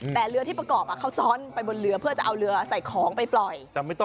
แต่เรือที่ประกอบเขาซ้อนไปบนเรือเพื่อจะเอาเรือใส่ของไปปล่อย